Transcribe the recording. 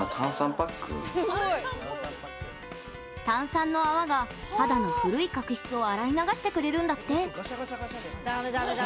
炭酸の泡が、肌の古い角質を洗い流してくれるんだって。